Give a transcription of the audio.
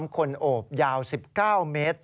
คนโอบยาว๑๙เมตร